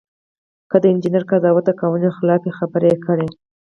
که د انجینر قضاوت د قوانینو خلاف وي خبره یې کړئ.